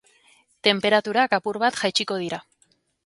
Tenperaturak apur bat jaitsiko dira.